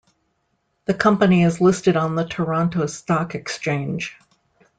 The company is listed on the Toronto Stock Exchange.